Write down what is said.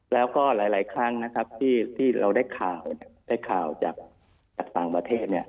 แล้วก็หลายครั้งที่เราได้ข่าวจากต่างประเทศ